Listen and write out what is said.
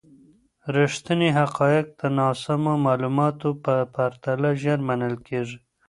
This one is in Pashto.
ریښتیني حقایق د ناسمو معلوماتو په پرتله ژر منل کیږي.